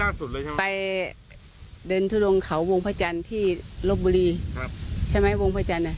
คือไปเดินทุลงเขาวงพระจันทร์ที่รบบุรีใช่ไหมวงพระจันทร์น่ะ